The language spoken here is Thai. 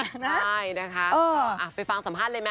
ใช่นะครับไปฟังสัมภาษณ์เลยมั้ย